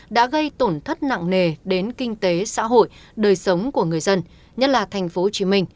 đã gây tổn thất nặng nề đến kinh tế xã hội đời sống của người dân nhất là tp hcm